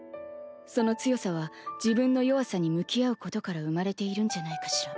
その強さは自分の弱さに向き合うことから生まれているんじゃないかしら。